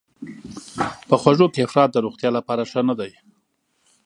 په خوږو کې افراط د روغتیا لپاره ښه نه دی.